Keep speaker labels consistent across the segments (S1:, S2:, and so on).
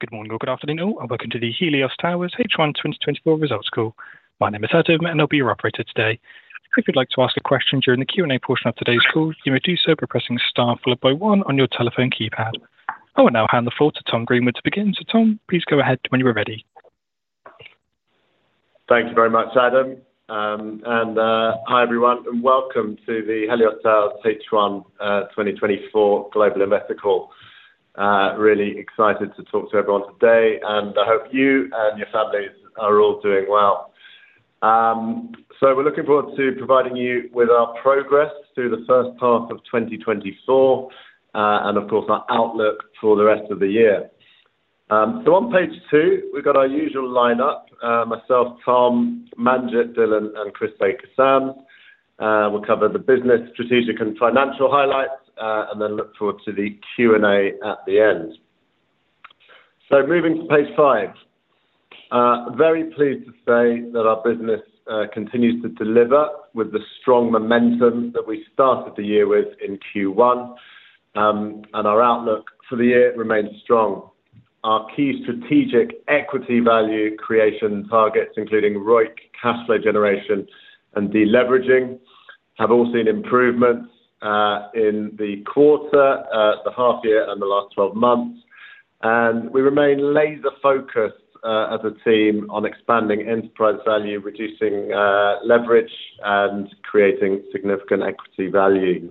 S1: Good morning or good afternoon, and welcome to the Helios Towers H1 2024 Results Call. My name is Adam, and I'll be your operator today. If you'd like to ask a question during the Q&A portion of today's call, you may do so by pressing star followed by one on your telephone keypad. I will now hand the floor to Tom Greenwood to begin. Tom, please go ahead when you are ready.
S2: Thank you very much, Adam. And hi, everyone, and welcome to the Helios Towers H1 2024 Global Investor Call. Really excited to talk to everyone today, and I hope you and your families are all doing well. We're looking forward to providing you with our progress through the first half of 2024, and of course, our outlook for the rest of the year. On page 2, we've got our usual lineup, myself, Tom, Manjit Dhillon, and Chris Baker-Sams. We'll cover the business, strategic, and financial highlights, and then look forward to the Q&A at the end. Moving to page 5. Very pleased to say that our business continues to deliver with the strong momentum that we started the year with in Q1, and our outlook for the year remains strong. Our key strategic equity value creation targets, including ROIC, cash flow generation, and deleveraging, have all seen improvements, in the quarter, the half year and the last twelve months. And we remain laser-focused, as a team on expanding enterprise value, reducing, leverage, and creating significant equity value.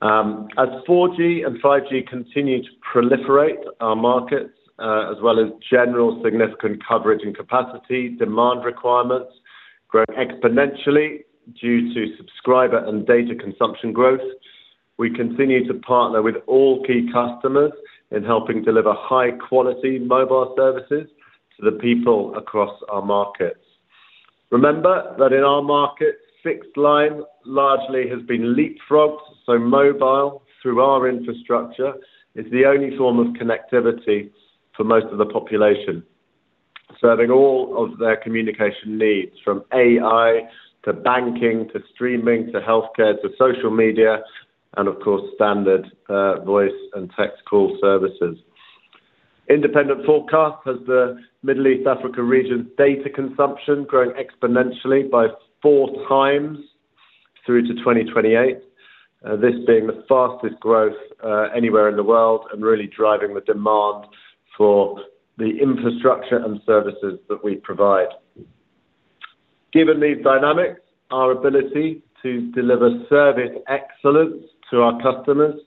S2: As 4G and 5G continue to proliferate our markets, as well as general significant coverage and capacity, demand requirements grow exponentially due to subscriber and data consumption growth. We continue to partner with all key customers in helping deliver high-quality mobile services to the people across our markets. Remember that in our market, fixed line largely has been leapfrogged, so mobile, through our infrastructure, is the only form of connectivity for most of the population, serving all of their communication needs, from AI to banking, to streaming, to healthcare, to social media, and of course, standard, voice and text call services. Independent forecast has the Middle East, Africa region data consumption growing exponentially by 4 times through to 2028, this being the fastest growth, anywhere in the world and really driving the demand for the infrastructure and services that we provide. Given these dynamics, our ability to deliver service excellence to our customers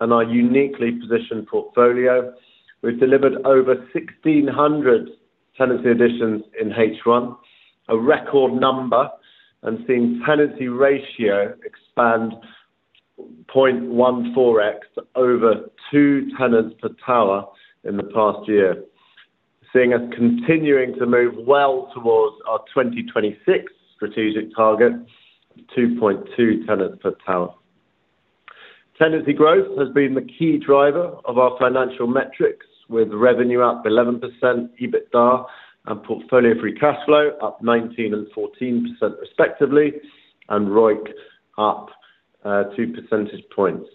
S2: and our uniquely positioned portfolio, we've delivered over 1,600 tenancy additions in H1, a record number, and seen tenancy ratio expand 0.14x to over 2 tenants per tower in the past year. Seeing us continuing to move well towards our 2026 strategic target, 2.2 tenants per tower. Tenancy growth has been the key driver of our financial metrics, with revenue up 11%, EBITDA and portfolio-free cash flow up 19% and 14%, respectively, and ROIC up two percentage points.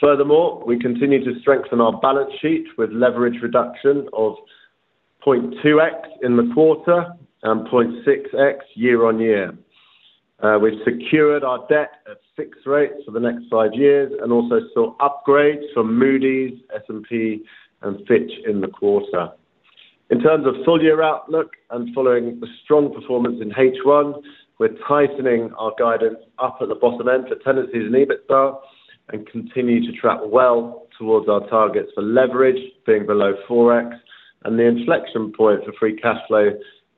S2: Furthermore, we continue to strengthen our balance sheet with leverage reduction of 0.2x in the quarter and 0.6x year-on-year. We've secured our debt at fixed rates for the next five years and also saw upgrades from Moody's, S&P, and Fitch in the quarter. In terms of full-year outlook and following the strong performance in H1, we're tightening our guidance up at the bottom end for tenancies and EBITDA, and continue to track well towards our targets for leverage, being below 4x, and the inflection point for free cash flow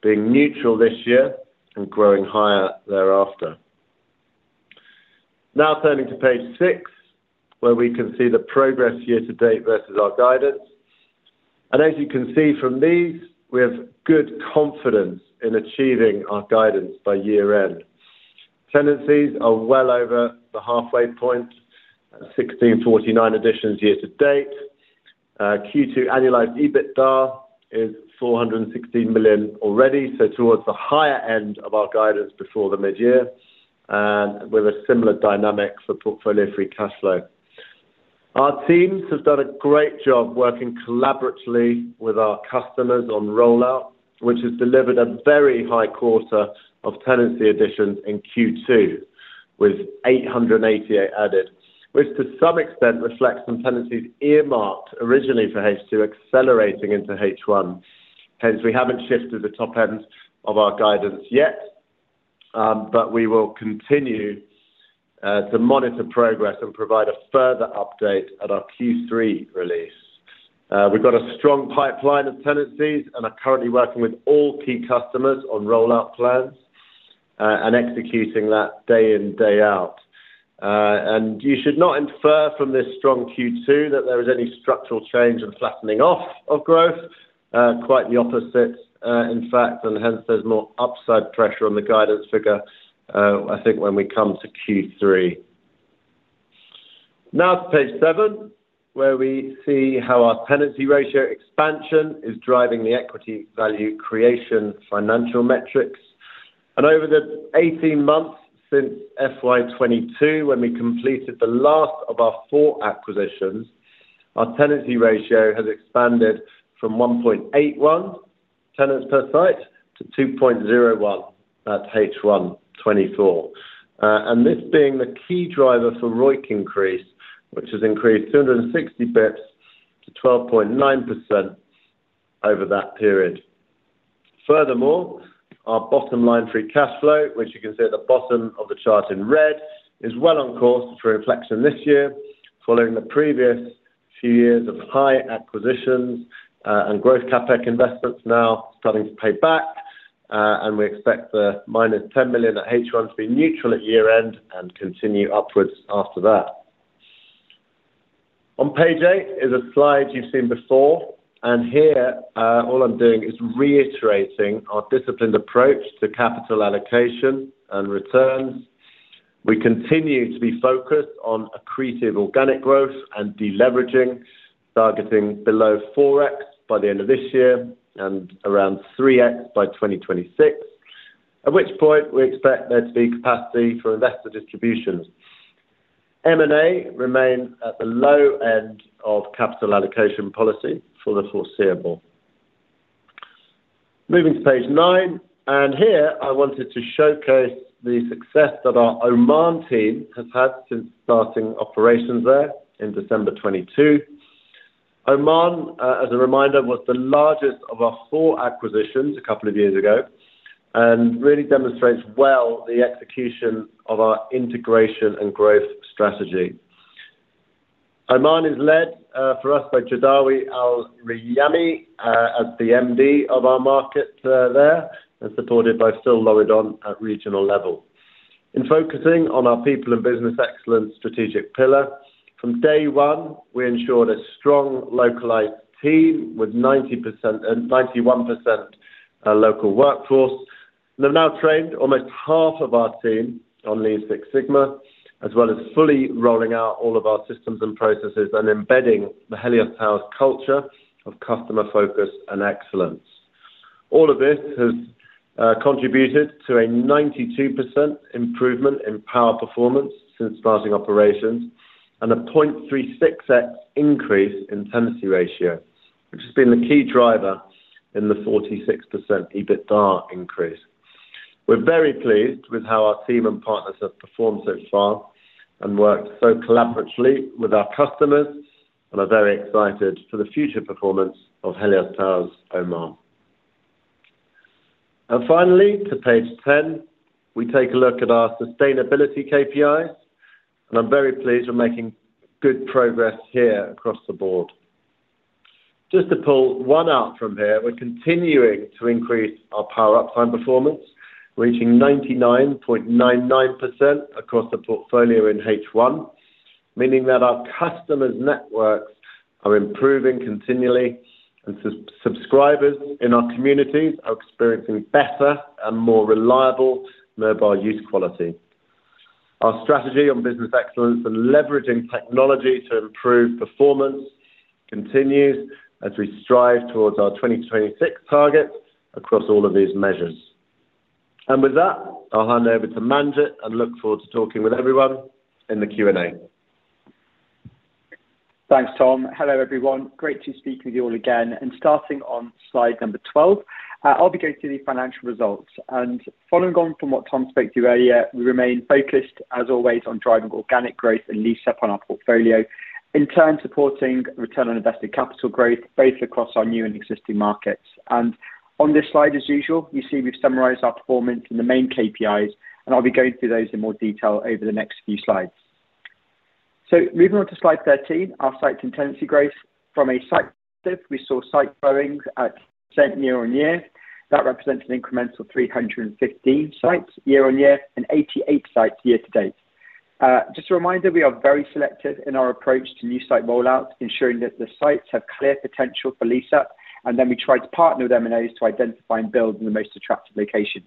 S2: being neutral this year and growing higher thereafter. Now turning to page 6, where we can see the progress year to date versus our guidance. As you can see from these, we have good confidence in achieving our guidance by year-end. Tenancies are well over the halfway point, 1,649 additions year to date. Q2 annualized EBITDA is $416 million already, so towards the higher end of our guidance before the mid-year, and with a similar dynamic for portfolio-free cash flow. Our teams have done a great job working collaboratively with our customers on rollout, which has delivered a very high quarter of tenancy additions in Q2, with 888 added. Which to some extent reflects some tenancies earmarked originally for H2, accelerating into H1. Hence, we haven't shifted the top end of our guidance yet, but we will continue to monitor progress and provide a further update at our Q3 release. We've got a strong pipeline of tenancies and are currently working with all key customers on rollout plans, and executing that day in, day out. And you should not infer from this strong Q2 that there is any structural change and flattening off of growth. Quite the opposite, in fact, and hence there's more upside pressure on the guidance figure, I think, when we come to Q3. Now to page seven, where we see how our tenancy ratio expansion is driving the equity value creation financial metrics. Over the 18 months since FY 2022, when we completed the last of our 4 acquisitions, our tenancy ratio has expanded from 1.81 tenants per site to 2.01 at H1 2024. And this being the key driver for ROIC increase, which has increased 260 basis points to 12.9% over that period. Furthermore, our bottom line free cash flow, which you can see at the bottom of the chart in red, is well on course for an inflection this year, following the previous few years of high acquisitions, and growth CapEx investments now starting to pay back. and we expect the -$10 million at H1 to be neutral at year-end and continue upwards after that. On page 8 is a slide you've seen before, and here, all I'm doing is reiterating our disciplined approach to capital allocation and returns. We continue to be focused on accretive organic growth and deleveraging, targeting below 4x by the end of this year and around 3x by 2026, at which point we expect there to be capacity for investor distributions. M&A remains at the low end of capital allocation policy for the foreseeable. Moving to page 9, and here I wanted to showcase the success that our Oman team has had since starting operations there in December 2022. Oman, as a reminder, was the largest of our four acquisitions a couple of years ago and really demonstrates well the execution of our integration and growth strategy. Oman is led, for us by Jadawy Al Riyamy, as the MD of our market, there, and supported by Phil Loredan at regional level. In focusing on our people and business excellence strategic pillar, from day one, we ensured a strong localized team with ninety-one percent local workforce. They've now trained almost half of our team on Lean Six Sigma, as well as fully rolling out all of our systems and processes and embedding the Helios Towers culture of customer focus and excellence. All of this has contributed to a 92% improvement in power performance since starting operations and a 0.36x increase in tenancy ratio, which has been the key driver in the 46% EBITDA increase. We're very pleased with how our team and partners have performed so far and worked so collaboratively with our customers and are very excited for the future performance of Helios Towers Oman. And finally, to page ten, we take a look at our sustainability KPIs, and I'm very pleased we're making good progress here across the board. Just to pull one out from here, we're continuing to increase our power uptime performance, reaching 99.99% across the portfolio in H1, meaning that our customers' networks are improving continually and subscribers in our communities are experiencing better and more reliable mobile use quality. Our strategy on business excellence and leveraging technology to improve performance continues as we strive towards our 2026 targets across all of these measures. With that, I'll hand over to Manjit and look forward to talking with everyone in the Q&A.
S3: Thanks, Tom. Hello, everyone. Great to speak with you all again. Starting on Slide number 12, I'll be going through the financial results. Following on from what Tom spoke to earlier, we remain focused, as always, on driving organic growth and lease up on our portfolio, in turn, supporting return on invested capital growth, both across our new and existing markets. On this slide, as usual, you see we've summarized our performance in the main KPIs, and I'll be going through those in more detail over the next few slides. Moving on to Slide 13, our site tenancy growth from a site perspective, we saw site growing at % year-on-year. That represents an incremental 315 sites year-on-year and 88 sites year-to-date. Just a reminder, we are very selective in our approach to new site rollouts, ensuring that the sites have clear potential for lease-up, and then we try to partner with MNOs to identify and build in the most attractive locations.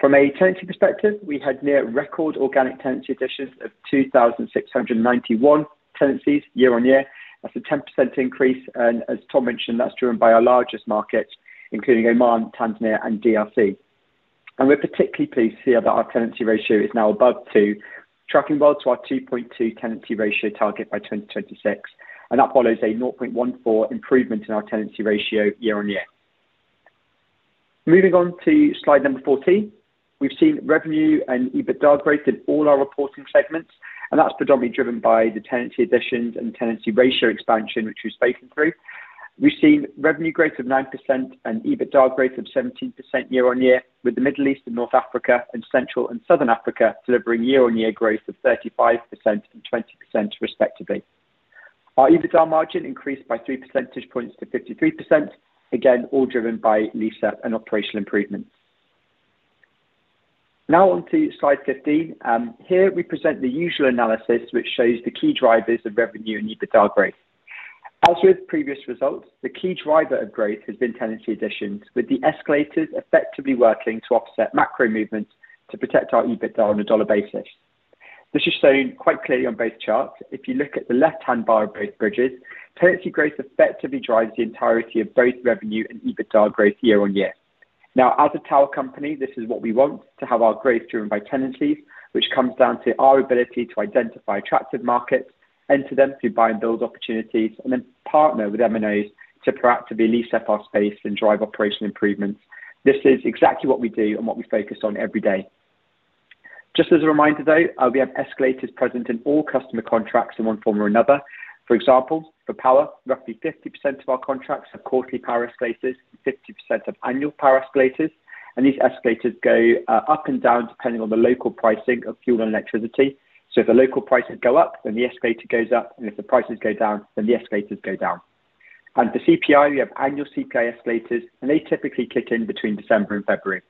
S3: From a tenancy perspective, we had near record organic tenancy additions of 2,691 tenancies year-on-year. That's a 10% increase, and as Tom mentioned, that's driven by our largest markets, including Oman, Tanzania, and DRC. We're particularly pleased here that our tenancy ratio is now above 2, tracking well to our 2.2 tenancy ratio target by 2026, and that follows a 0.14 improvement in our tenancy ratio year-on-year. Moving on to Slide number 14. We've seen revenue and EBITDA growth in all our reporting segments, and that's predominantly driven by the tenancy additions and tenancy ratio expansion, which we've spoken through. We've seen revenue growth of 9% and EBITDA growth of 17% year-on-year, with the Middle East and North Africa and Central and Southern Africa delivering year-on-year growth of 35% and 20%, respectively. Our EBITDA margin increased by three percentage points to 53%, again, all driven by lease-up and operational improvements. Now on to Slide 15. Here we present the usual analysis, which shows the key drivers of revenue and EBITDA growth. As with previous results, the key driver of growth has been tenancy additions, with the escalators effectively working to offset macro movements to protect our EBITDA on a dollar basis... This is shown quite clearly on both charts. If you look at the left-hand bar of both bridges, tenancy growth effectively drives the entirety of both revenue and EBITDA growth year-on-year. Now, as a tower company, this is what we want, to have our growth driven by tenancies, which comes down to our ability to identify attractive markets, enter them through buy and build opportunities, and then partner with MNOs to proactively lease up our space and drive operational improvements. This is exactly what we do and what we focus on every day. Just as a reminder, though, we have escalators present in all customer contracts in one form or another. For example, for power, roughly 50% of our contracts are quarterly power escalators and 50% of annual power escalators, and these escalators go, up and down, depending on the local pricing of fuel and electricity. So if the local prices go up, then the escalator goes up, and if the prices go down, then the escalators go down. And for CPI, we have annual CPI escalators, and they typically kick in between December and February.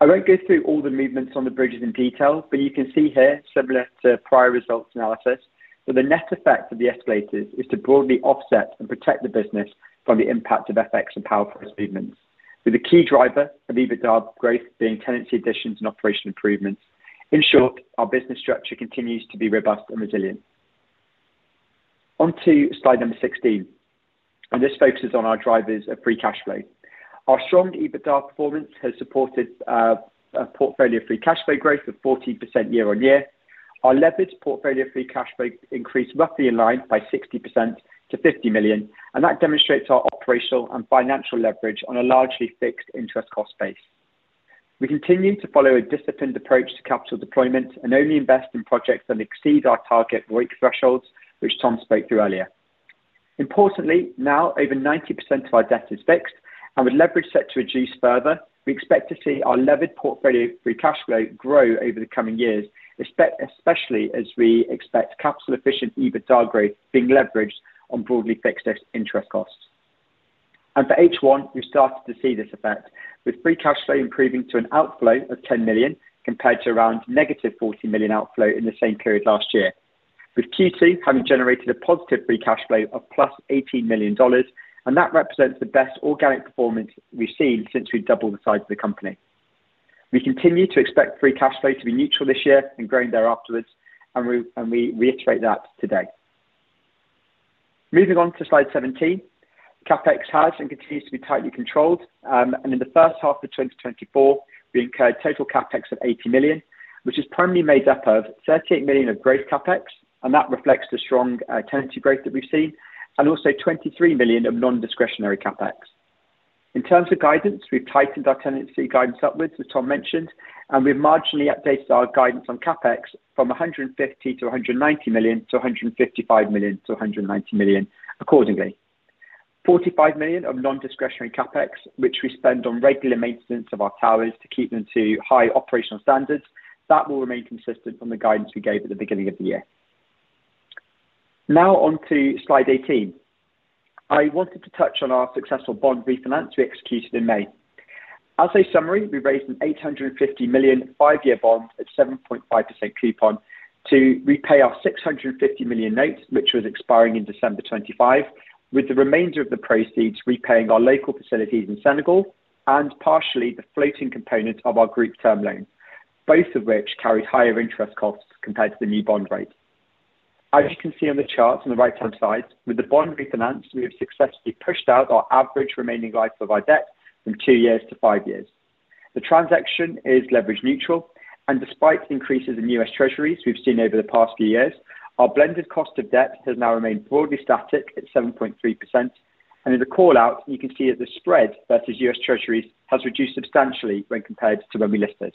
S3: I won't go through all the movements on the bridges in detail, but you can see here, similar to prior results analysis, that the net effect of the escalators is to broadly offset and protect the business from the impact of FX and power price movements, with a key driver of EBITDA growth being tenancy additions and operational improvements. In short, our business structure continues to be robust and resilient. On to Slide number 16, and this focuses on our drivers of free cash flow. Our strong EBITDA performance has supported a portfolio free cash flow growth of 14% year-on-year. Our leveraged portfolio free cash flow increased roughly in line by 60% to $50 million, and that demonstrates our operational and financial leverage on a largely fixed interest cost base. We continue to follow a disciplined approach to capital deployment and only invest in projects that exceed our target rate thresholds, which Tom spoke through earlier. Importantly, now, over 90% of our debt is fixed, and with leverage set to reduce further, we expect to see our levered portfolio free cash flow grow over the coming years, especially as we expect capital-efficient EBITDA growth being leveraged on broadly fixed interest costs. For H1, we've started to see this effect, with free cash flow improving to an outflow of $10 million, compared to around -$40 million outflow in the same period last year, with Q2 having generated a positive free cash flow of +$18 million, and that represents the best organic performance we've seen since we doubled the size of the company. We continue to expect free cash flow to be neutral this year and growing thereafterwards, and we, and we reiterate that today. Moving on to Slide 17. CapEx has and continues to be tightly controlled, and in the first half of 2024, we incurred total CapEx of $80 million, which is primarily made up of $38 million of growth CapEx, and that reflects the strong tenancy growth that we've seen, and also $23 million of non-discretionary CapEx. In terms of guidance, we've tightened our tenancy guidance upwards, as Tom mentioned, and we've marginally updated our guidance on CapEx from $150 million-$190 million to $155 million-$190 million accordingly. $45 million of non-discretionary CapEx, which we spend on regular maintenance of our towers to keep them to high operational standards, that will remain consistent from the guidance we gave at the beginning of the year. Now on to Slide 18. I wanted to touch on our successful bond refinance we executed in May. As a summary, we raised an $850 million 5-year bond at 7.5% coupon to repay our $650 million notes, which was expiring in December 2025, with the remainder of the proceeds repaying our local facilities in Senegal and partially the floating component of our group term loan, both of which carry higher interest costs compared to the new bond rate. As you can see on the chart on the right-hand side, with the bond refinance, we have successfully pushed out our average remaining life of our debt from 2 years to 5 years. The transaction is leverage neutral, and despite the increases in U.S. Treasuries we've seen over the past few years, our blended cost of debt has now remained broadly static at 7.3%, and in the call-out, you can see that the spread versus U.S. Treasuries has reduced substantially when compared to when we listed.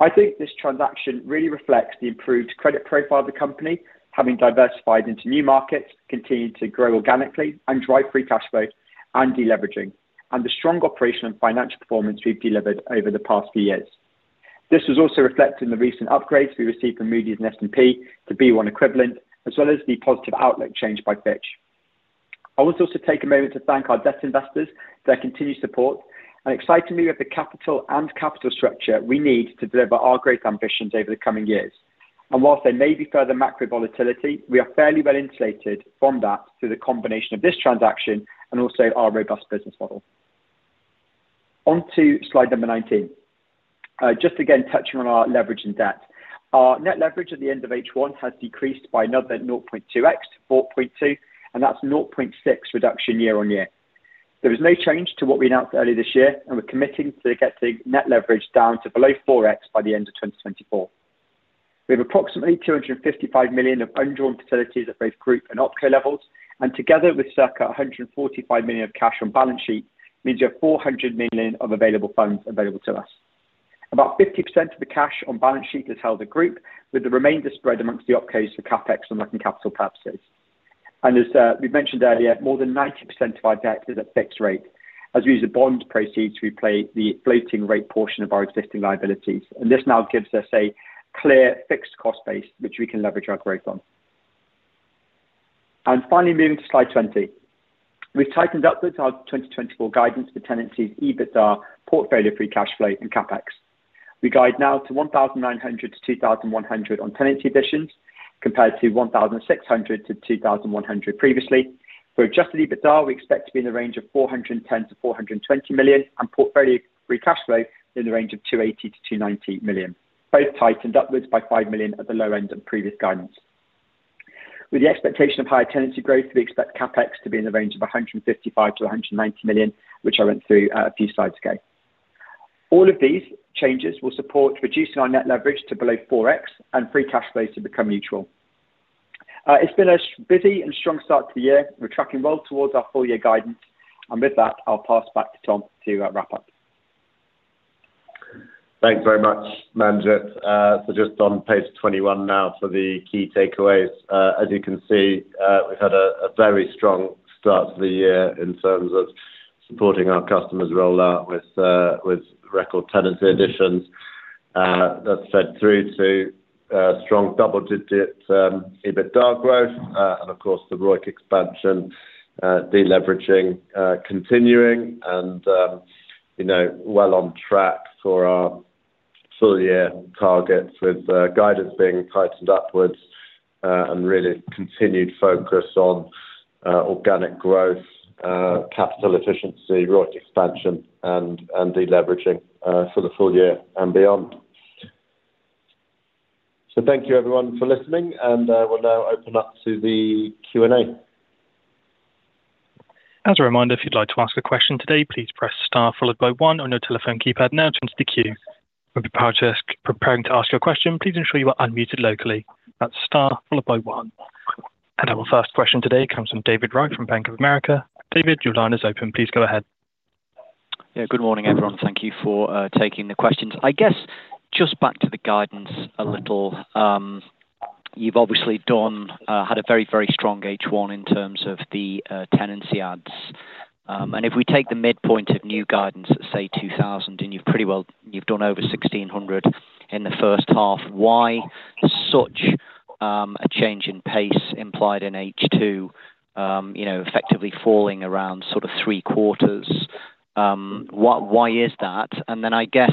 S3: I think this transaction really reflects the improved credit profile of the company, having diversified into new markets, continued to grow organically and drive free cash flow and deleveraging, and the strong operational and financial performance we've delivered over the past few years. This was also reflected in the recent upgrades we received from Moody’s and S&P to B1 equivalent, as well as the positive outlook change by Fitch. I want to also take a moment to thank our debt investors for their continued support, and excitingly, we have the capital and capital structure we need to deliver our great ambitions over the coming years. While there may be further macro volatility, we are fairly well insulated from that through the combination of this transaction and also our robust business model. On to Slide number 19. Just again, touching on our leverage and debt. Our net leverage at the end of H1 has decreased by another 0.2x to 4.2, and that's 0.6 reduction year-on-year. There was no change to what we announced earlier this year, and we're committing to get the net leverage down to below 4x by the end of 2024. We have approximately $255 million of undrawn facilities at both group and opco levels, and together with circa $145 million of cash on balance sheet, means you have $400 million of available funds available to us. About 50% of the cash on balance sheet is held at group, with the remainder spread among the opcos for CapEx and working capital purposes. And as, we mentioned earlier, more than 90% of our debt is at fixed rate, as we use the bond proceeds, we play the floating rate portion of our existing liabilities, and this now gives us a clear fixed cost base, which we can leverage our growth on. And finally, moving to Slide 20. We've tightened upwards our 2024 guidance for tenancies, EBITDA, portfolio free cash flow, and CapEx. We guide now to 1,900-2,100 on tenancy additions... compared to 1,600-2,100 previously. For adjusted EBITDA, we expect to be in the range of $410 million-$420 million, and portfolio free cash flow in the range of $280 million-$290 million. Both tightened upwards by $5 million at the low end of previous guidance. With the expectation of higher tenancy growth, we expect CapEx to be in the range of $155 million-$190 million, which I went through a few slides ago. All of these changes will support reducing our net leverage to below 4x and free cash flows to become neutral. It's been a busy and strong start to the year. We're tracking well towards our full year guidance, and with that, I'll pass back to Tom to wrap up.
S2: Thanks very much, Manjit. So just on page 21 now for the key takeaways. As you can see, we've had a very strong start to the year in terms of supporting our customers roll out with record tenancy additions. That's fed through to strong double-digit EBITDA growth, and of course, the ROIC expansion, deleveraging continuing and, you know, well on track for our full year targets, with guidance being tightened upwards, and really continued focus on organic growth, capital efficiency, ROIC expansion, and deleveraging for the full year and beyond. So thank you, everyone, for listening, and we'll now open up to the Q&A.
S1: As a reminder, if you'd like to ask a question today, please press star followed by one on your telephone keypad now to enter the queue. When preparing to ask your question, please ensure you are unmuted locally. That's star followed by one. And our first question today comes from David Wright from Bank of America. David, your line is open. Please go ahead.
S4: Yeah, good morning, everyone. Thank you for taking the questions. I guess just back to the guidance a little. You've obviously done, had a very, very strong H1 in terms of the tenancy adds. And if we take the midpoint of new guidance at, say, 2,000, and you've pretty well—you've done over 1,600 in the first half, why such a change in pace implied in H2, you know, effectively falling around sort of three quarters? Why, why is that? And then, I guess,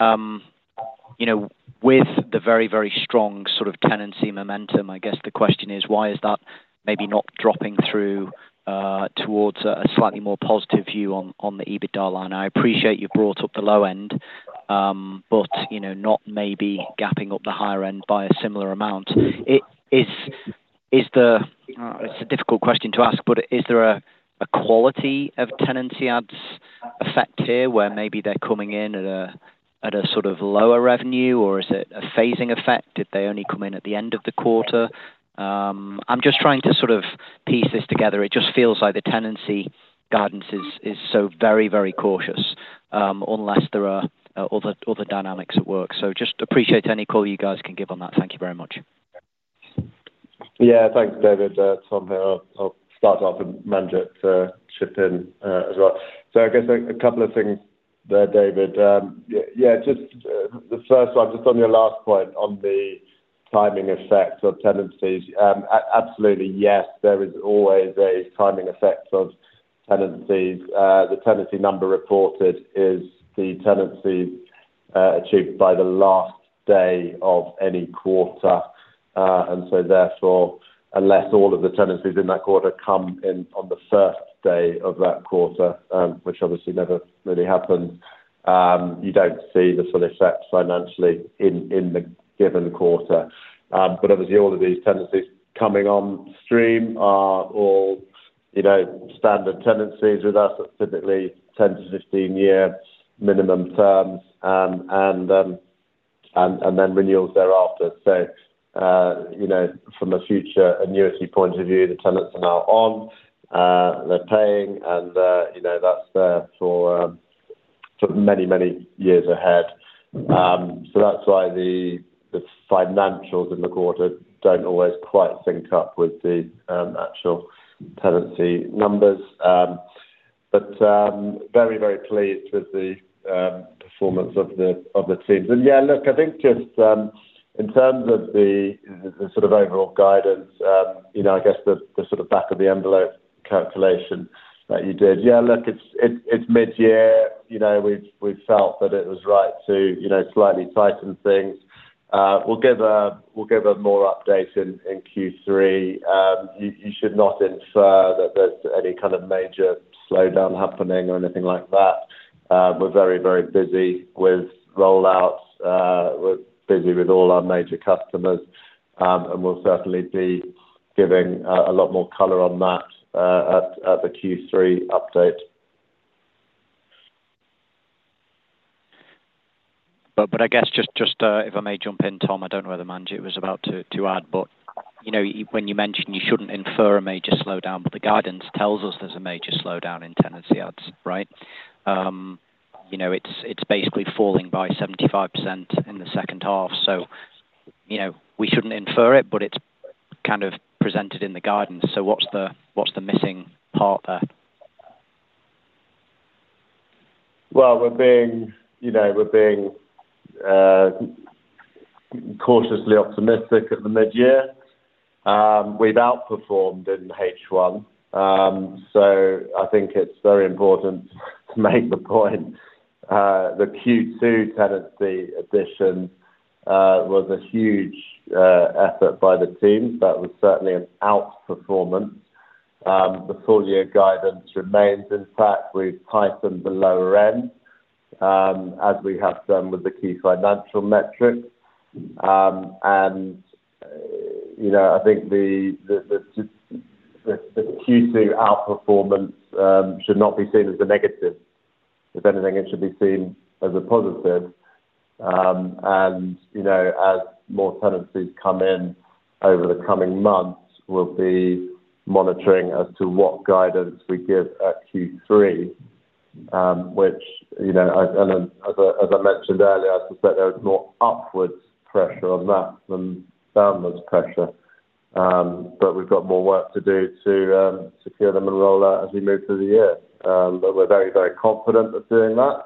S4: you know, with the very, very strong sort of tenancy momentum, I guess the question is, why is that maybe not dropping through towards a slightly more positive view on the EBITDA line? I appreciate you brought up the low end, but, you know, not maybe gapping up the higher end by a similar amount. It's a difficult question to ask, but is there a quality of tenancy adds effect here, where maybe they're coming in at a sort of lower revenue, or is it a phasing effect, if they only come in at the end of the quarter? I'm just trying to sort of piece this together. It just feels like the tenancy guidance is so very, very cautious, unless there are other, other dynamics at work. So just appreciate any call you guys can give on that. Thank you very much.
S2: Yeah, thanks, David. Tom here, I'll start off, and Manjit chip in as well. So I guess a couple of things there, David. Yeah, just the first one, just on your last point on the timing effect of tenancies. Absolutely, yes, there is always a timing effect of tenancies. The tenancy number reported is the tenancy achieved by the last day of any quarter. And so therefore, unless all of the tenancies in that quarter come in on the first day of that quarter, which obviously never really happens, you don't see the full effect financially in the given quarter. But obviously, all of these tenancies coming on stream are all, you know, standard tenancies with us, typically 10-15-year minimum terms, and then renewals thereafter. So, you know, from a future annuity point of view, the tenants are now on, they're paying, and, you know, that's there for, for many, many years ahead. So that's why the, the financials in the quarter don't always quite sync up with the, actual tenancy numbers. But, very, very pleased with the, performance of the, of the teams. And yeah, look, I think just, in terms of the, the sort of overall guidance, you know, I guess the, the sort of back of the envelope calculation that you did. Yeah, look, it's, it, it's mid-year. You know, we've, we've felt that it was right to, you know, slightly tighten things. We'll give a, we'll give a more update in, in Q3. You should not infer that there's any kind of major slowdown happening or anything like that. We're very, very busy with rollouts. We're busy with all our major customers, and we'll certainly be giving a lot more color on that at the Q3 update.
S4: But I guess just, if I may jump in, Tom, I don't know whether Manjit was about to add, but you know, when you mentioned you shouldn't infer a major slowdown, but the guidance tells us there's a major slowdown in tenancy adds, right? You know, it's basically falling by 75% in the second half. So, you know, we shouldn't infer it, but it's kind of presented in the guidance. So what's the missing part there?
S2: Well, we're being, you know, we're being cautiously optimistic at the mid-year. We've outperformed in H1. So I think it's very important to make the point. The Q2 tenancy addition was a huge effort by the team. That was certainly an outperformance. The full year guidance remains. In fact, we've tightened the lower end, as we have done with the key financial metrics. And, you know, I think the Q2 outperformance should not be seen as a negative. If anything, it should be seen as a positive. You know, as more tenancies come in over the coming months, we'll be monitoring as to what guidance we give at Q3, which, you know, as I mentioned earlier, I suspect there is more upwards pressure on that than downwards pressure. But we've got more work to do to secure them and roll out as we move through the year. But we're very, very confident of doing that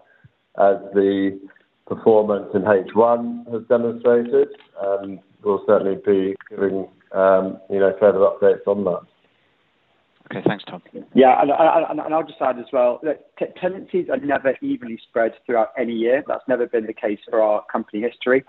S2: as the performance in H1 has demonstrated, and we'll certainly be giving, you know, further updates on that.
S4: Okay, thanks, Tom.
S3: Yeah, and I'll just add as well, that tenancies are never evenly spread throughout any year. That's never been the case for our company history.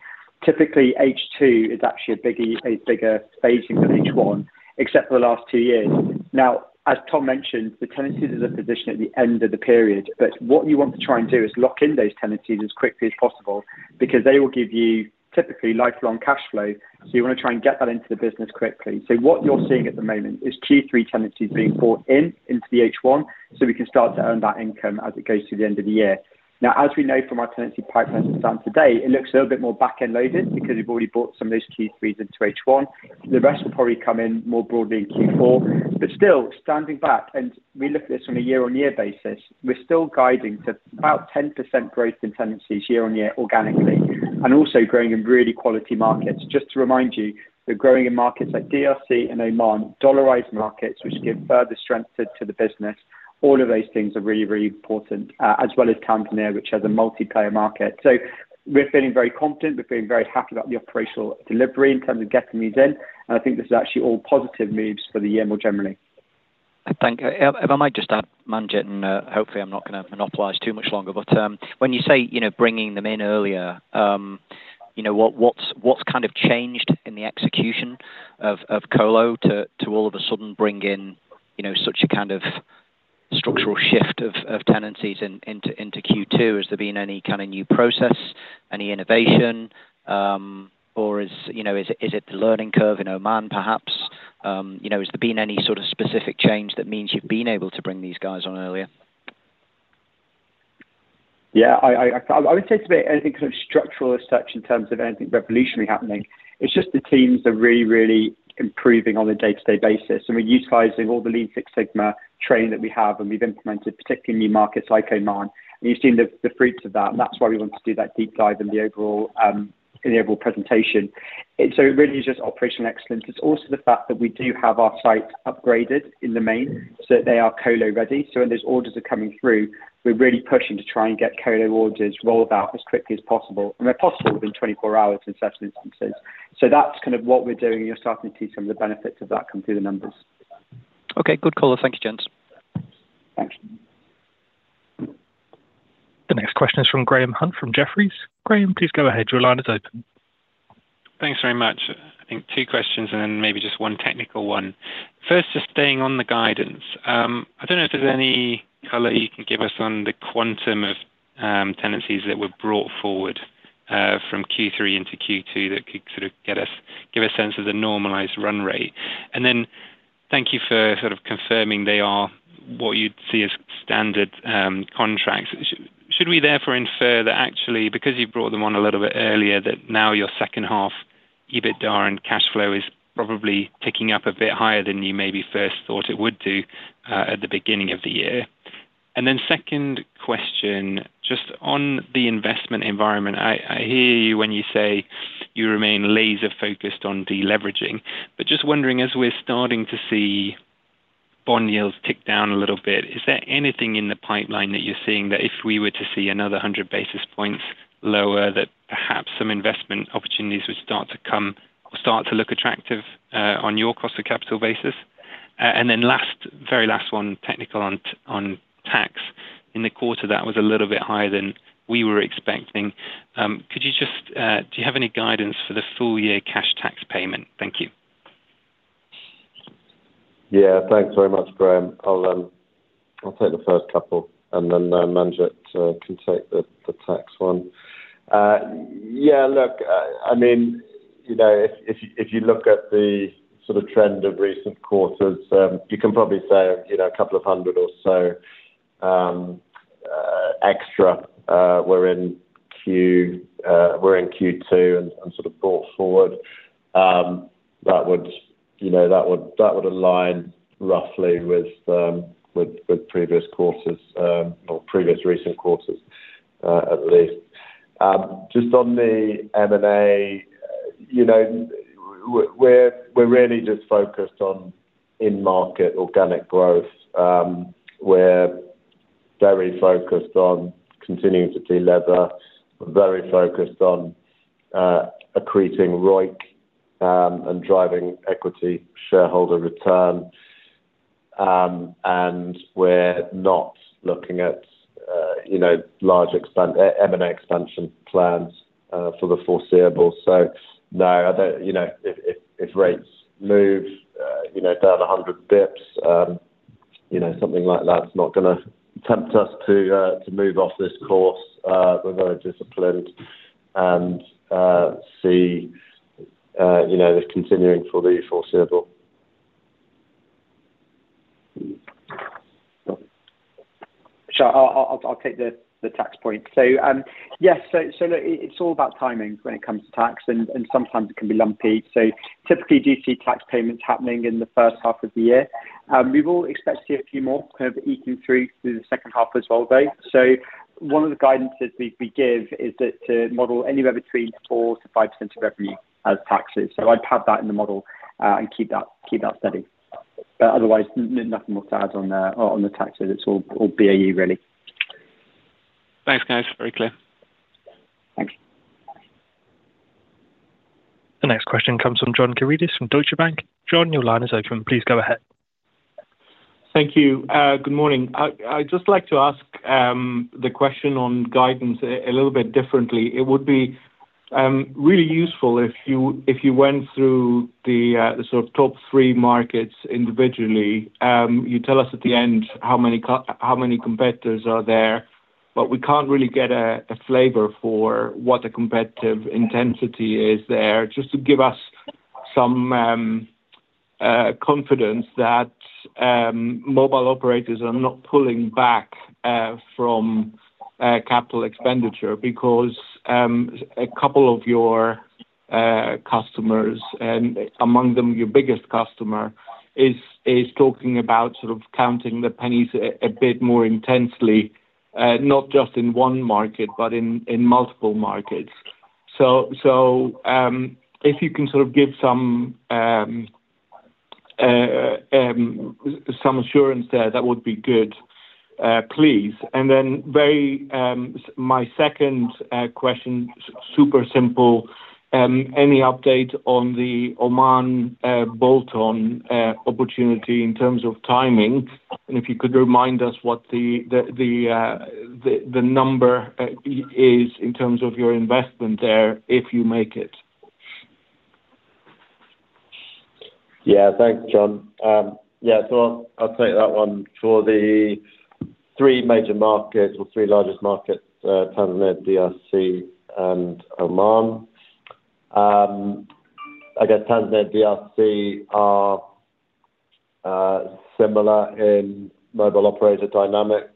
S3: Typically, H2 is actually a bigger staging than H1, except for the last two years. Now, as Tom mentioned, the tenancies is a position at the end of the period, but what you want to try and do is lock in those tenancies as quickly as possible because they will give you typically lifelong cash flow. So you wanna try and get that into the business quickly. So what you're seeing at the moment is Q3 tenancies being brought in, into the H1, so we can start to earn that income as it goes to the end of the year. Now, as we know from our tenancy pipelines as of today, it looks a little bit more back-end loaded because we've already brought some of those Q3s into H1. The rest will probably come in more broadly in Q4. But still, standing back, and we look at this on a year-over-year basis, we're still guiding to about 10% growth in tenancies year-over-year, organically, and also growing in really quality markets. Just to remind you, we're growing in markets like DRC and Oman, dollarized markets, which give further strength to, to the business. All of those things are really, really important, as well as Cameroon, which has a multiplayer market. So we're feeling very confident. We're feeling very happy about the operational delivery in terms of getting these in, and I think this is actually all positive moves for the year more generally.
S4: Thank you. If I might just add, Manjit, and hopefully I'm not gonna monopolize too much longer, but when you say, you know, bringing them in earlier, you know, what's kind of changed in the execution of colo to all of a sudden bring in, you know, such a kind of structural shift of tenancies into Q2? Has there been any kind of new process, any innovation, or is, you know, is it the learning curve in Oman, perhaps? You know, has there been any sort of specific change that means you've been able to bring these guys on earlier?
S3: Yeah, I would say it's. I don't think kind of structural as such in terms of anything revolutionary happening. It's just the teams are really, really improving on a day-to-day basis, and we're utilizing all the Lean Six Sigma training that we have, and we've implemented, particularly in new markets like Oman, and you've seen the fruits of that, and that's why we want to do that deep dive in the overall, in the overall presentation. And so it really is just operational excellence. It's also the fact that we do have our sites upgraded in the main, so they are colo ready. So when those orders are coming through, we're really pushing to try and get colo orders rolled out as quickly as possible, and they're possible within 24 hours in such instances. So that's kind of what we're doing. You're starting to see some of the benefits of that come through the numbers.
S4: Okay, good call. Thank you, gents.
S3: Thanks.
S1: The next question is from Graham Hunt, from Jefferies. Graham, please go ahead. Your line is open.
S5: Thanks very much. I think two questions, and then maybe just one technical one. First, just staying on the guidance, I don't know if there's any color you can give us on the quantum of tenancies that were brought forward from Q3 into Q2 that could sort of give a sense of the normalized run rate. And then thank you for sort of confirming they are what you'd see as standard contracts. Should we therefore infer that, actually, because you brought them on a little bit earlier, that now your second half, EBITDA and cash flow is probably ticking up a bit higher than you maybe first thought it would do at the beginning of the year? And then second question, just on the investment environment, I hear you when you say you remain laser focused on deleveraging, but just wondering, as we're starting to see bond yields tick down a little bit, is there anything in the pipeline that you're seeing that if we were to see another 100 basis points lower, that perhaps some investment opportunities would start to come or start to look attractive, on your cost of capital basis? And then last, very last one, technical on tax. In the quarter, that was a little bit higher than we were expecting. Could you just do you have any guidance for the full year cash tax payment? Thank you.
S2: Yeah, thanks very much, Graham. I'll, I'll take the first couple, and then, Manjit, can take the, the tax one. Yeah, look, I mean, you know, if, if you, if you look at the sort of trend of recent quarters, you can probably say, you know, a couple of hundred or so, extra, were in Q2 and, and sort of brought forward. That would, you know, that would, that would align roughly with, with, with previous quarters, or previous recent quarters, at least. Just on the M&A, you know, we're, we're really just focused on in-market organic growth. We're very focused on continuing to delever, very focused on, accreting ROIC, and driving equity shareholder return. And we're not looking at, you know, large M&A expansion plans for the foreseeable. So no, I don't, you know, if rates move, you know, down 100 basis points, you know, something like that's not gonna tempt us to move off this course. We're very disciplined and see this continuing for the foreseeable.
S3: Sure. I'll take the tax point. So, yes, so look, it's all about timing when it comes to tax, and sometimes it can be lumpy. So typically, you do see tax payments happening in the first half of the year. We will expect to see a few more kind of eking through to the second half as well, though. So one of the guidances we give is that to model anywhere between 4%-5% of revenue as taxes. So I'd have that in the model, and keep that steady. But otherwise, nothing more to add on the taxes. It's all BAU, really.
S5: Thanks, guys. Very clear.
S3: Thanks.
S1: The next question comes from John Karidis from Deutsche Bank. John, your line is open. Please go ahead.
S6: Thank you. Good morning. I'd just like to ask the question on guidance a little bit differently. It would be really useful if you went through the sort of top three markets individually. You tell us at the end how many competitors are there, but we can't really get a flavor for what the competitive intensity is there. Just to give us some confidence that mobile operators are not pulling back from capital expenditure because a couple of your customers, and among them, your biggest customer, is talking about sort of counting the pennies a bit more intensely, not just in one market, but in multiple markets. So, if you can sort of give some assurance there, that would be good, please. And then, my second question, super simple, any update on the Oman bolt-on opportunity in terms of timing? And if you could remind us what the number is in terms of your investment there, if you make it.
S2: Yeah. Thanks, John. Yeah, so I'll take that one. For the three major markets or three largest markets, Tanzania, DRC, and Oman. I guess Tanzania, DRC are similar in mobile operator dynamic,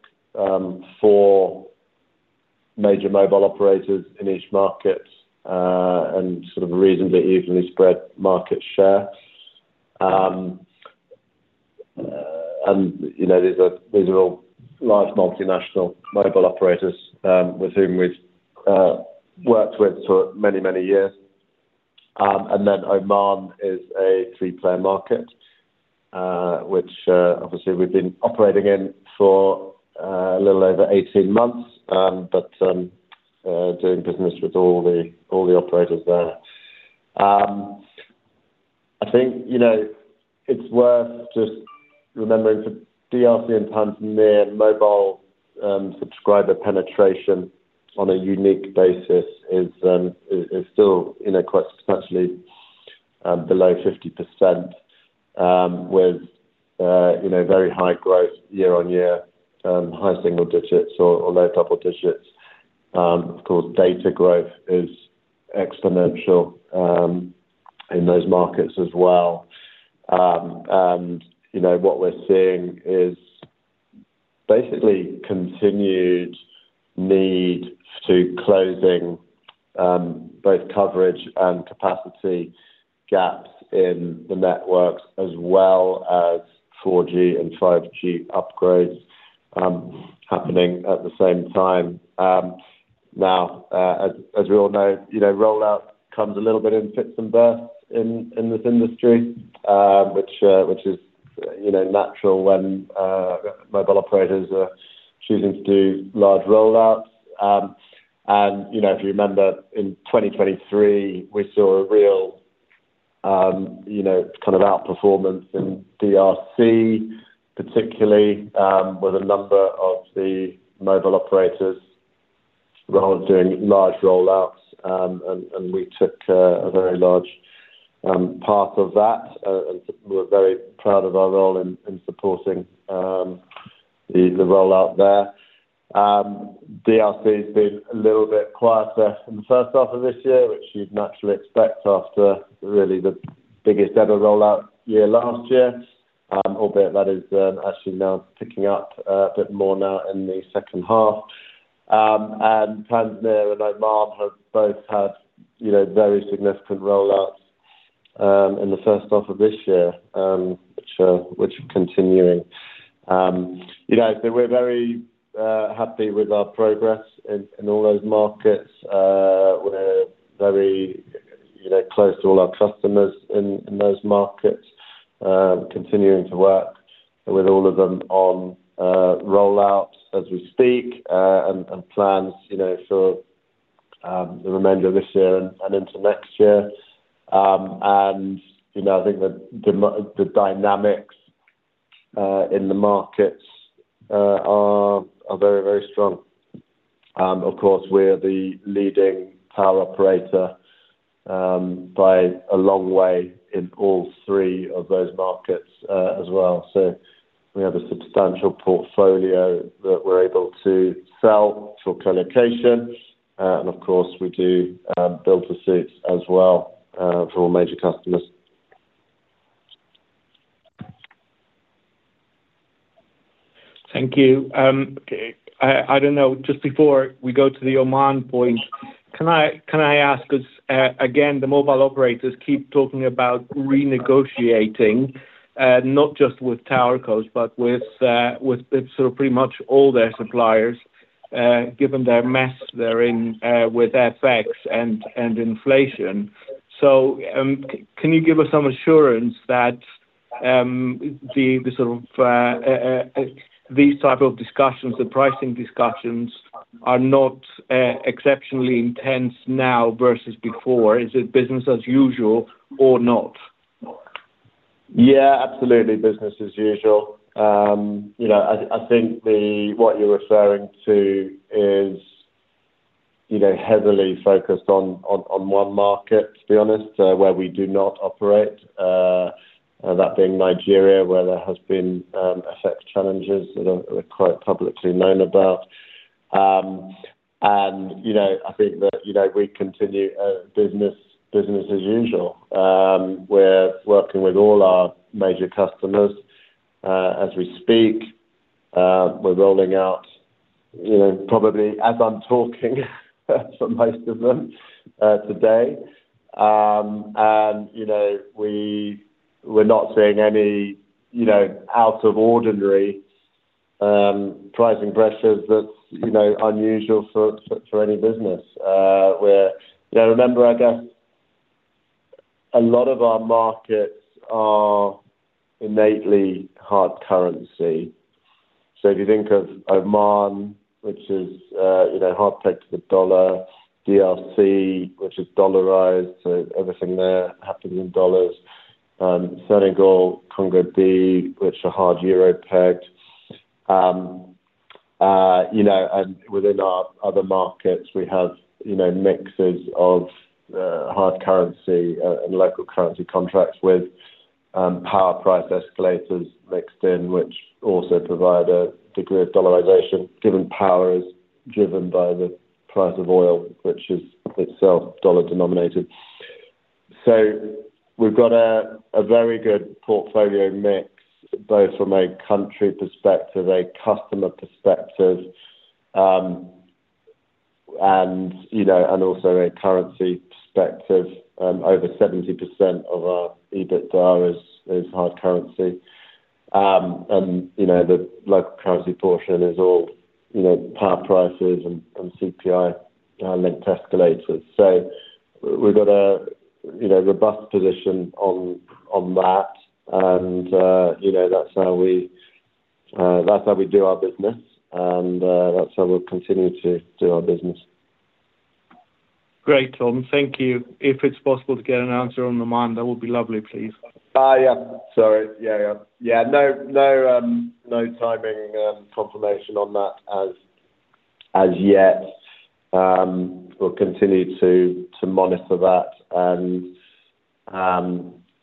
S2: for major mobile operators in each market, and sort of reasonably evenly spread market share. And, you know, these are all large multinational mobile operators, with whom we've worked with for many, many years. And then Oman is a three-player market, which obviously we've been operating in for a little over 18 months, but doing business with all the operators there. I think, you know, it's worth just remembering for DRC and Tanzania, mobile subscriber penetration on a unique basis is still, you know, quite substantially below 50%, with, you know, very high growth year-over-year, high single digits or low double digits. Of course, data growth is exponential in those markets as well. And, you know, what we're seeing is basically continued need to closing both coverage and capacity gaps in the networks, as well as 4G and 5G upgrades happening at the same time. Now, as we all know, you know, rollout comes a little bit in fits and bursts in this industry, which is, you know, natural when mobile operators are choosing to do large rollouts. You know, if you remember, in 2023, we saw a real, you know, kind of outperformance in DRC, particularly with a number of the mobile operators rather doing large rollouts, and we took a very large part of that, and we're very proud of our role in supporting the rollout there. DRC's been a little bit quieter in the first half of this year, which you'd naturally expect after really the biggest ever rollout year last year, albeit that is actually now picking up a bit more now in the second half. Tanzania and Oman have both had, you know, very significant rollouts in the first half of this year, which are continuing. You know, so we're very happy with our progress in all those markets. We're very you know, close to all our customers in those markets, continuing to work with all of them on rollouts as we speak, and plans, you know, for the remainder of this year and into next year. And you know, I think the dynamics in the markets are very very strong. Of course, we're the leading tower operator by a long way in all three of those markets, as well. So we have a substantial portfolio that we're able to sell for colocation, and of course, we do build to suit as well, for all major customers.
S6: Thank you. Okay, I don't know, just before we go to the Oman point, can I ask, 'cause again, the mobile operators keep talking about renegotiating, not just with tower cores, but with sort of pretty much all their suppliers, given the mess they're in with FX and inflation. So, can you give us some assurance that these type of discussions, the pricing discussions, are not exceptionally intense now versus before? Is it business as usual or not?
S2: Yeah, absolutely, business as usual. You know, I think what you're referring to is, you know, heavily focused on, on, on one market, to be honest, where we do not operate, that being Nigeria, where there has been FX challenges that are, that are quite publicly known about. And, you know, I think that, you know, we continue business, business as usual. We're working with all our major customers as we speak. We're rolling out, you know, probably as I'm talking, for most of them, today. And, you know, we're not seeing any, you know, out of ordinary pricing pressures that's, you know, unusual for, for, for any business. You know, remember, I guess a lot of our markets are innately hard currency. So if you think of Oman, which is, you know, hard pegged to the dollar, DRC, which is dollarized, so everything there has to be in dollars. Senegal, Congo B, which are hard euro pegged. You know, and within our other markets, we have, you know, mixes of hard currency and local currency contracts with power price escalators mixed in, which also provide a degree of dollarization, given power is driven by the price of oil, which is itself dollar-denominated. So we've got a very good portfolio mix, both from a country perspective, a customer perspective, and, you know, and also a currency perspective. Over 70% of our EBITDA is hard currency. And, you know, the local currency portion is all power prices and CPI linked escalators. So we've got a, you know, robust position on that, and, you know, that's how we do our business, and that's how we'll continue to do our business.
S6: Great, Tom. Thank you. If it's possible to get an answer on Oman, that would be lovely, please.
S2: Sorry. Yeah, yeah. Yeah, no, no, no timing confirmation on that as yet. We'll continue to monitor that and,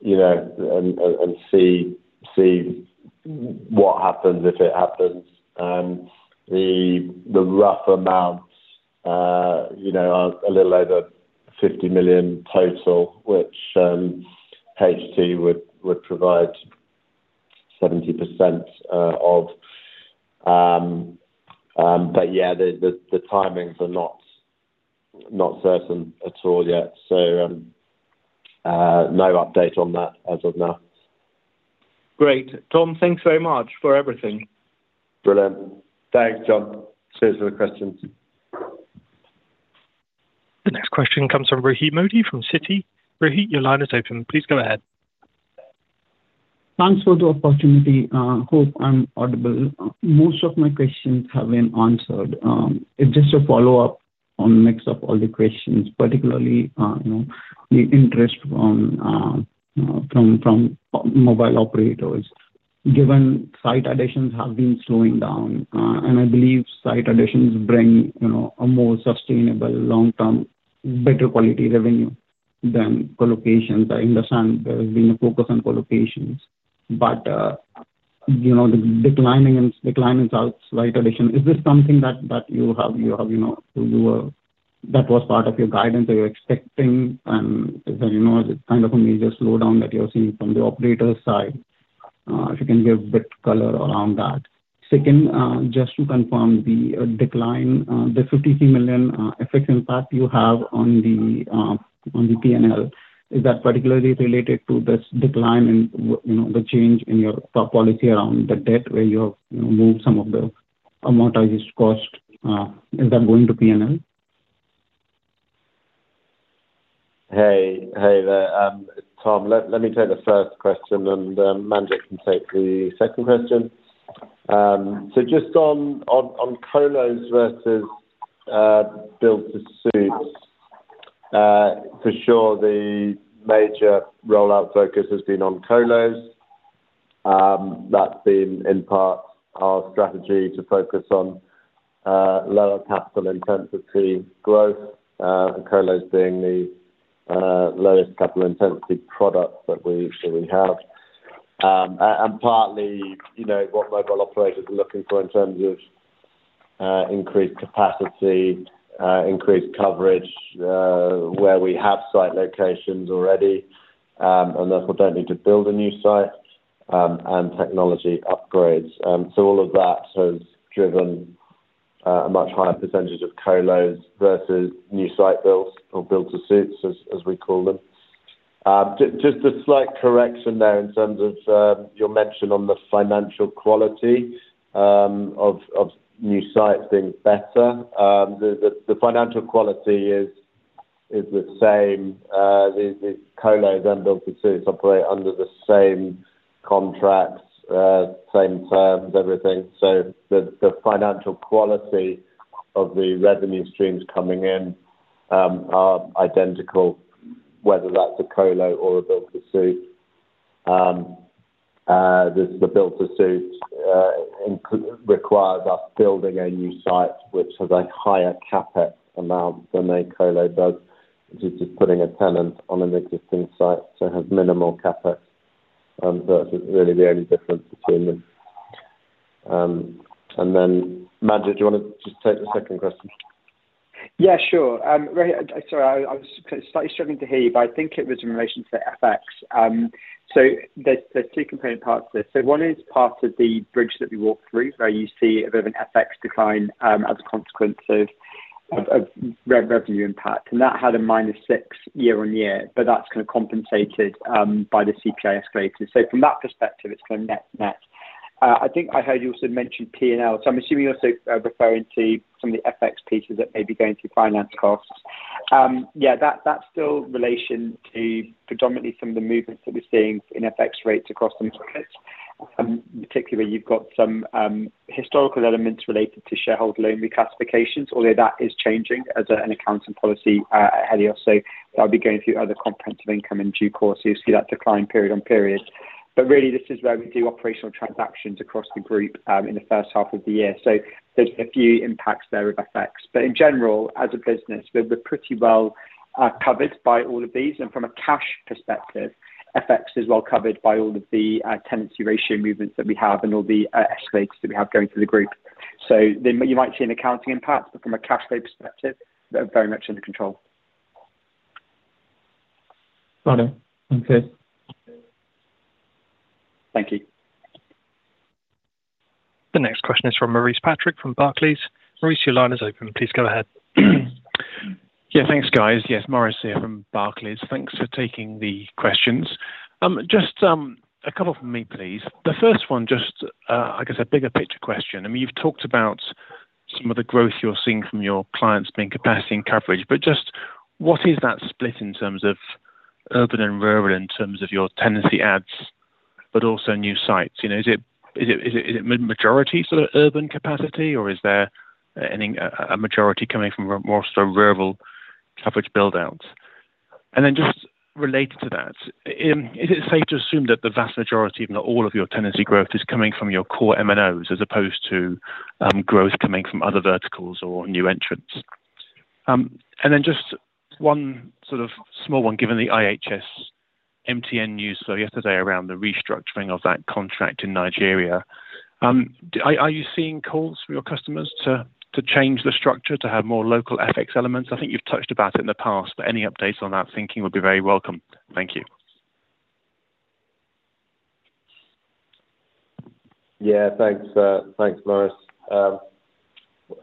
S2: you know, and see what happens if it happens. And the rough amounts, you know, are a little over $50 million total, which, HT would provide 70% of. But yeah, the timings are not certain at all yet. So, no update on that as of now.
S6: Great. Tom, thanks very much for everything.
S2: Brilliant. Thanks, John. Cheers for the questions.
S1: The next question comes from Rohit Modi, from Citi. Rohit, your line is open. Please go ahead.
S7: Thanks for the opportunity. Hope I'm audible. Most of my questions have been answered. It's just a follow-up on mix of all the questions, particularly, you know, the interest from, from mobile operators. Given site additions have been slowing down, and I believe site additions bring, you know, a more sustainable, long-term, better quality revenue than collocations. I understand there's been a focus on collocations, but, you know, the decline in site addition, is this something that you have, you know, that was part of your guidance that you're expecting, and then, you know, is it kind of a major slowdown that you're seeing from the operator side? If you can give a bit color around that. Second, just to confirm the decline, the $53 million effect impact you have on the PNL, is that particularly related to this decline and, you know, the change in your top policy around the debt, where you have, you know, moved some of the amortized cost, is that going to PNL?
S2: Hey, hey there, Tom, let me take the first question, and Manjit can take the second question. So just on colos versus build-to-suits. For sure, the major rollout focus has been on colos. That's been in part our strategy to focus on lower capital intensity growth, and colos being the lowest capital intensity product that we have. And partly, you know, what mobile operators are looking for in terms of increased capacity, increased coverage, where we have site locations already, and therefore don't need to build a new site, and technology upgrades. So all of that has driven a much higher percentage of colos versus new site builds or build-to-suits, as we call them. Just a slight correction there in terms of your mention on the financial quality of new sites being better. The financial quality is the same. The colos and build to suits operate under the same contracts, same terms, everything. So the financial quality of the revenue streams coming in are identical, whether that's a colo or a build to suit. The build to suit requires us building a new site, which has a higher CapEx amount than a colo does, which is just putting a tenant on an existing site, so has minimal CapEx. That's really the only difference between them. And then, Manjit, do you wanna just take the second question?
S3: Yeah, sure. Sorry, I was slightly struggling to hear you, but I think it was in relation to FX. So there's two component parts to this. So one is part of the bridge that we walked through, where you see a bit of an FX decline, as a consequence of revenue impact, and that had a -6 year-on-year, but that's kind of compensated by the CPI escalators. So from that perspective, it's kind of net-net. I think I heard you also mention PNL, so I'm assuming you're also referring to some of the FX pieces that may be going through finance costs. Yeah, that's still relation to predominantly some of the movements that we're seeing in FX rates across the markets. Particularly, you've got some historical elements related to shareholder loan reclassifications, although that is changing as an accounting policy at Helios. So that'll be going through other comprehensive income in due course. You'll see that decline period on period. But really, this is where we do operational transactions across the group in the first half of the year. So there's a few impacts there of FX. But in general, as a business, we're pretty well covered by all of these, and from a cash perspective, FX is well covered by all of the tenancy ratio movements that we have and all the escalators that we have going through the group. So then you might see an accounting impact, but from a cash flow perspective, they're very much under control.
S7: Got it. Okay.
S3: Thank you.
S1: The next question is from Maurice Patrick, from Barclays. Maurice, your line is open. Please go ahead.
S8: Yeah, thanks, guys. Yes, Maurice here from Barclays. Thanks for taking the questions. Just a couple from me, please. The first one, just a bigger picture question. I mean, you've talked about some of the growth you're seeing from your clients being capacity and coverage, but just what is that split in terms of urban and rural, in terms of your tenancy adds, but also new sites? You know, is it majority sort of urban capacity, or is there any a majority coming from more so rural coverage build-outs? And then, just related to that, is it safe to assume that the vast majority, if not all of your tenancy growth, is coming from your core MNOs, as opposed to growth coming from other verticals or new entrants? And then just one sort of small one, given the IHS MTN news, so yesterday around the restructuring of that contract in Nigeria, are you seeing calls from your customers to change the structure, to have more local FX elements? I think you've touched about it in the past, but any updates on that thinking would be very welcome. Thank you.
S2: Yeah, thanks, thanks, Maurice.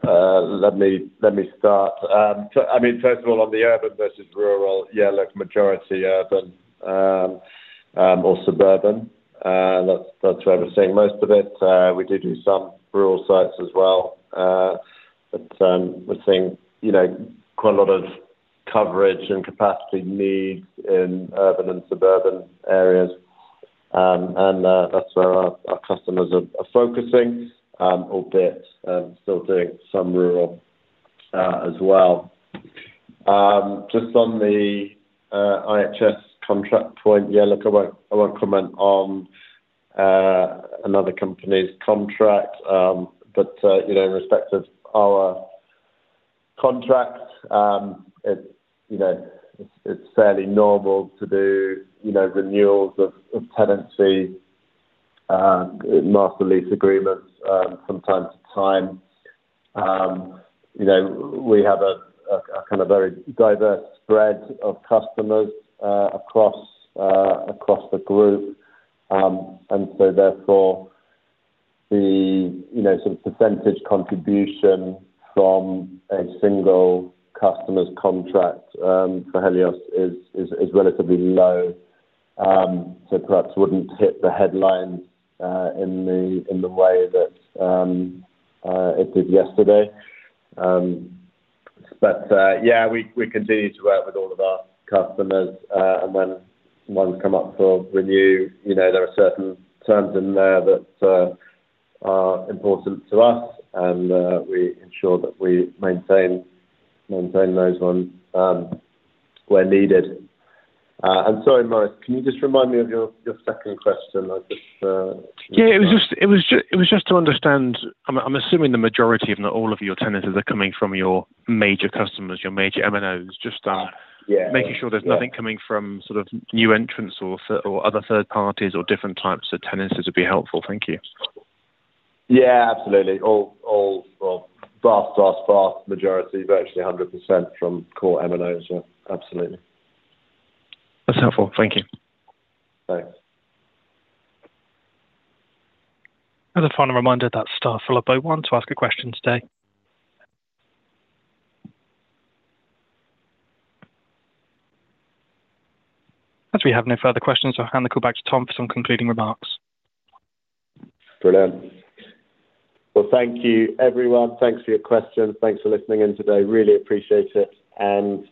S2: Let me, let me start. So I mean, first of all, on the urban versus rural, yeah, look, majority urban, or suburban, that's, that's where we're seeing most of it. We did do some rural sites as well, but, we're seeing, you know, quite a lot of coverage and capacity needs in urban and suburban areas. And, that's where our, our customers are, are focusing, albeit, still doing some rural, as well. Just on the, IHS contract point, yeah, look, I won't, I won't comment on, another company's contract, but, you know, in respect of our contract, it's, you know, it's, it's fairly normal to do, you know, renewals of, of tenancy, master lease agreements, from time to time. You know, we have a kind of very diverse spread of customers across the group. And so therefore, you know, the sort of percentage contribution from a single customer's contract for Helios is relatively low. So perhaps wouldn't hit the headlines in the way that it did yesterday. But yeah, we continue to work with all of our customers, and when ones come up for review, you know, there are certain terms in there that are important to us, and we ensure that we maintain those ones where needed. And sorry, Maurice, can you just remind me of your second question? I just
S8: Yeah, it was just to understand. I'm assuming the majority, if not all, of your tenancies are coming from your major customers, your major MNOs. Just,
S2: Yeah.
S8: Making sure there's nothing coming from sort of new entrants or other third parties or different types of tenancies would be helpful. Thank you.
S2: Yeah, absolutely. All, well, vast majority, virtually 100% from core MNOs. So absolutely.
S8: That's helpful. Thank you.
S2: Thanks.
S1: As a final reminder, that's star followed by one to ask a question today. As we have no further questions, I'll hand the call back to Tom for some concluding remarks.
S2: Brilliant. Well, thank you, everyone. Thanks for your questions. Thanks for listening in today. Really appreciate it. And,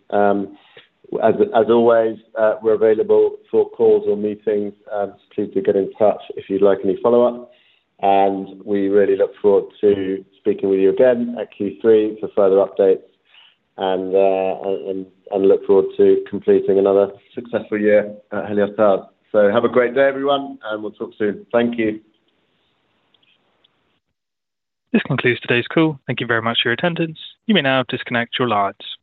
S2: as always, we're available for calls or meetings. Just please do get in touch if you'd like any follow-up, and we really look forward to speaking with you again at Q3 for further updates, and look forward to completing another successful year at Helios Towers. So have a great day, everyone, and we'll talk soon. Thank you.
S1: This concludes today's call. Thank you very much for your attendance. You may now disconnect your lines.